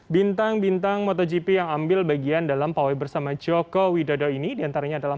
bintang bintang motogp yang ambil bagian dalam pawai bersama joko widodo ini diantaranya adalah